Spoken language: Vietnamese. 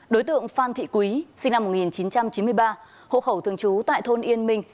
đối tượng phan thị quý sinh năm một nghìn chín trăm chín mươi ba hộ khẩu thường trú tại thôn yên minh